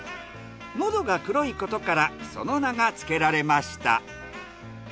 のどが黒いことからその名がつけられました。